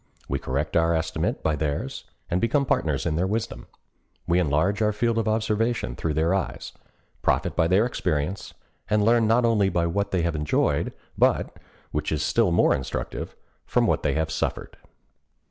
We correct our estimate by theirs, and become partners in their wisdom. We enlarge our field of observation through their eyes, profit by their experience, and learn not only by what they have enjoyed, but—which is still more instructive—from what they have suffered.